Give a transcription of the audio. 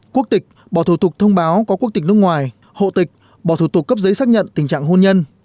quốc tịch bỏ thủ tục thông báo có quốc tịch nước ngoài hộ tịch bỏ thủ tục cấp giấy xác nhận tình trạng hôn nhân